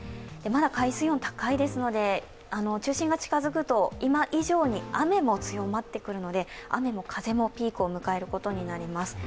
まだ海水温が高いですので、中心が近づくと今以上に雨も強まってくるので雨も風もピークを迎えることになります。